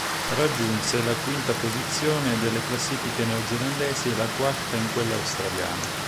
Raggiunse la quinta posizione delle classifiche neozelandesi e la quarta in quelle australiane.